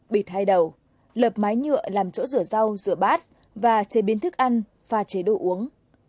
bịt hai đầu lợp mái nhựa làm chỗ rửa rau rửa bát và chế biến thức ăn pha chế đồ uống